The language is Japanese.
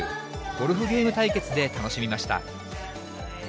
ゴルフゲーム対決で楽しみました。